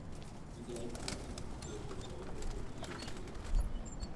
পিতা এক পক্ষে, পুত্র হয়তো অপর পক্ষে যোগ দিলেন।